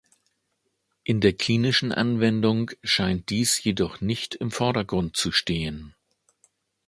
In der klinischen Anwendung scheint dies jedoch nicht im Vordergrund zu stehen.